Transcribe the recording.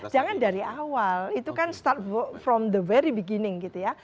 jangan dari awal itu kan start from the very beginning gitu ya